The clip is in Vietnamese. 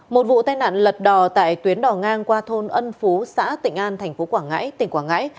một vụ tai nạn lật đò tại tuyến đỏ ngang qua thôn ân phú xã tịnh an tp quảng ngãi tỉnh quảng ngãi